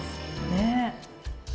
ねえ。